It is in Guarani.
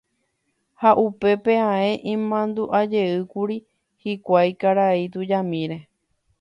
Ha upépe ae imandu'ajeýkuri hikuái karai tujamíre.